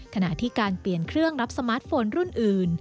ขณะที่การเปลี่ยนเครื่องรับสมาร์ทโฟนรุ่นอื่น